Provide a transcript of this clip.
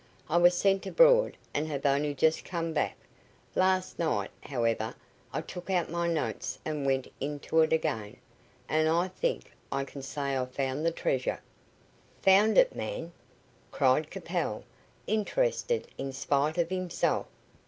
I was sent abroad, and have only just come back. Last night, however, I took out my notes and went into it again, and I think I can say I've found the treasure." "Found it, man?" cried Capel, interested in spite of himself.